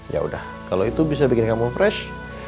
yaudah kalau itu bisa bikin kamu fresh